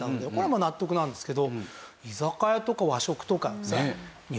まあ納得なんですけど。